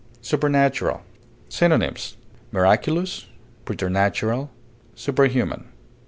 SUPERNATURAL. Synonyms: miraculous, preternatural, superhuman.